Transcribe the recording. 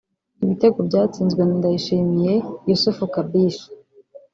Ibitego byatsinzwe na Ndayishimiye Yussuf Kabishi